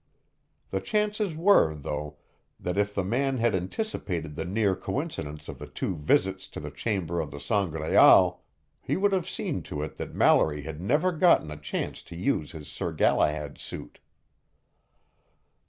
The chances were, though, that if the man had anticipated the near coincidence of the two visits to the chamber of the Sangraal he would have seen to it that Mallory had never gotten a chance to use his Sir Galahad suit.